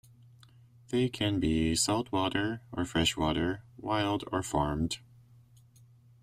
They can be saltwater or freshwater, wild or farmed.